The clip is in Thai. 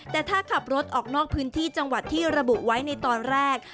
แต่ถ้าขับรถออกนอกพื้นที่จังหวัดที่ระบุไว้ในตอนแรก